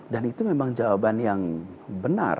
itu memang jawaban yang benar